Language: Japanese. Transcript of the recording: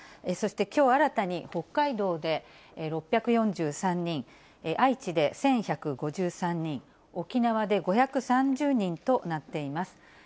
そして、きょう新たに北海道で６４３人、愛知で１１５３人、沖縄で５３０人となっています。